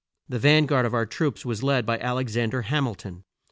The van guard of our troops was led by Al ex an der Ham il ton.